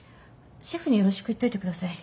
シェフによろしく言っといてください。